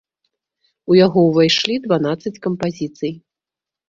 У яго ўвайшлі дванаццаць кампазіцый.